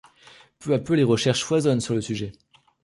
Peu à peu, les recherches foisonnent sur le sujet.